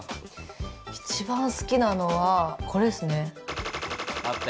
一番好きなのはこれですね。